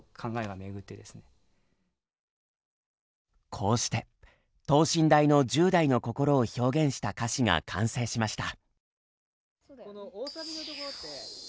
こうして等身大の１０代の心を表現した歌詞が完成しました。